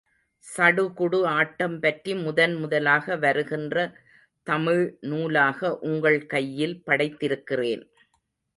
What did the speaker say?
சடுகுடு ஆட்டம் பற்றி முதன்முதலாக வருகின்ற தமிழ் நூலாக உங்கள் கையில் படைத்திருக்கிறேன்.